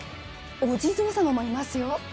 お地蔵様もいますよ。